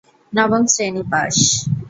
নবম শ্রেনী পাস।